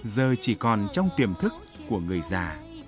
giờ chỉ còn trong tiềm thức của người già